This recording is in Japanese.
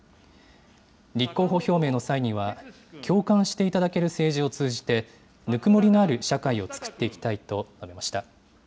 立候補表明の際には、共感していただける政治を通じて、ぬくもりのある社会を作っていきたいと述べました。